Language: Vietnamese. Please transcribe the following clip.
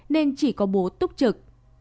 nên chỉ có bố túc trực